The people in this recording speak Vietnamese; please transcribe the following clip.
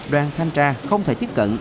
đoàn thanh tra không thể tiếp cận